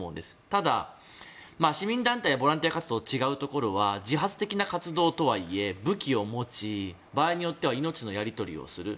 ただ、市民団体やボランティア活動と違うところは自発的な活動とはいえ武器を持ち、場合によっては命のやり取りをする。